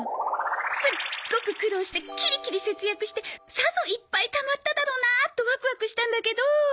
すっごく苦労してキリキリ節約してさぞいっぱいたまっただろうなとワクワクしたんだけど。